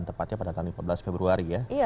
tepatnya pada tanggal lima belas februari ya